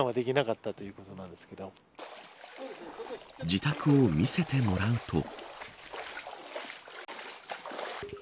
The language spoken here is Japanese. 自宅を見せてもらうと。